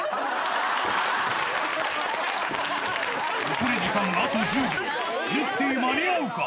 残り時間はあと１０秒、ゆってぃ、間に合うか？